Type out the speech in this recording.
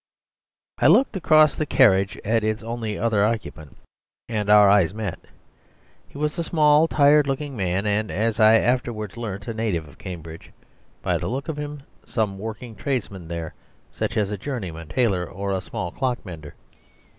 I looked across the carriage at its only other occupant, and our eyes met. He was a small, tired looking man, and, as I afterwards learnt, a native of Cambridge; by the look of him, some working tradesman there, such as a journeyman tailor or a small clock mender.